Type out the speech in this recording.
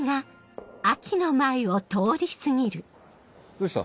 どうした？